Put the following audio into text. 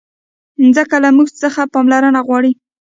مځکه له موږ څخه پاملرنه غواړي.